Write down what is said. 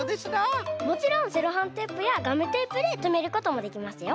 もちろんセロハンテープやガムテープでとめることもできますよ。